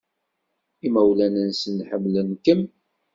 Imawlan-nsen ḥemmlen-kem.